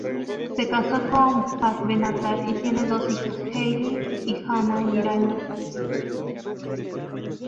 Se casó con Pat Benatar y tiene dos hijas, Haley y Hana Giraldo.